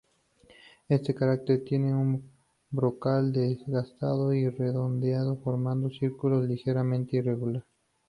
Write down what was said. Este cráter tiene un brocal desgastado y redondeado, formando un círculo ligeramente irregular.